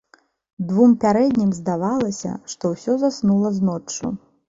Двум пярэднім здавалася, што ўсё заснула з ноччу.